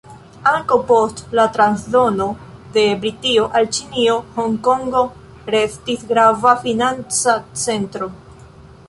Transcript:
Ankaŭ post la transdono de Britio al Ĉinio, Honkongo restis grava financa centro.